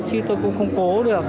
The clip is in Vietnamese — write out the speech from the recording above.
chứ tôi cũng không cố được